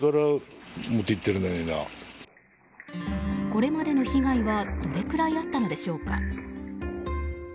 これまでの被害はどれくらいあったのでしょうか。